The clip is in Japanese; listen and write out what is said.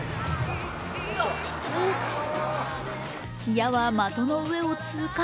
矢は的の上を通過。